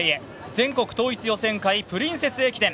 全国統一予選会、プリンセス駅伝。